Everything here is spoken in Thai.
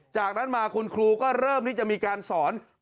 จากนั้นมาคุณครูก็เริ่มที่จะมีการสอน